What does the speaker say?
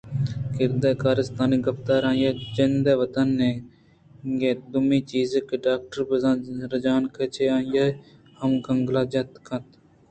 کردءُ کارستانی گپتار ءُآئی ءِ جندءِوطن ئیگ اِنت دومی چیز کہ ڈاکٹر بیزن ءِ رجانک ءَ چہ آئی ءِ ہم گنگلّاں جتا کنت